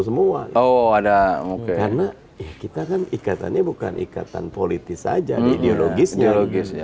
semua oh ada oke karena kita kan ikatannya bukan ikatan politis saja ideologisnya logisnya